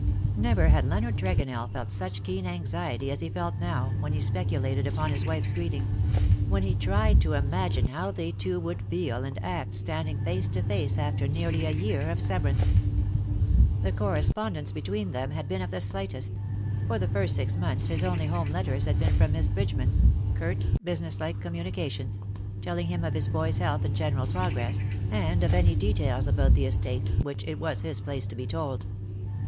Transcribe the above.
Never had Leonard Tregonell felt such keen anxiety as he felt now, when he speculated upon his wife^s greeting — when he tried to imagine how they two would feel and act standing face to face after nearly a year of severance. The correspondence between them had been of the slightest. For the first six months his only home letters had been from Miss Bridgeman — curt, ])usiness like communications — telling him of his boy^s health and general progress, and of any '04> ^' I WILL HAVE NO MERCY ON HIM.'' details about the estate whicli it was his place to be told.